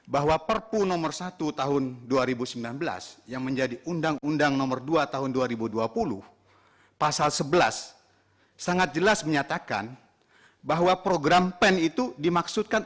bahwa perpu nomor satu tahun dua ribu sembilan belas yang menjadi undang undang nomor dua tahun dua ribu dua puluh pasal sebelas sangat jelas menyatakan bahwa program pen itu dimaksudkan